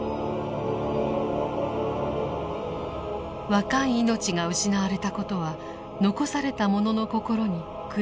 若い命が失われたことは残された者の心に暗い影を落としました。